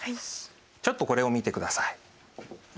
ちょっとこれを見てください。